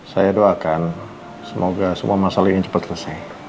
saya doakan semoga semua masalah ini cepat selesai